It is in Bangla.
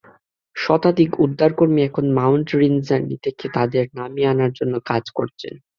শতাধিক উদ্ধারকর্মী এখন মাউন্ট রিনজানি থেকে তাদের নামিয়ে আনার জন্য কাজ করছেন।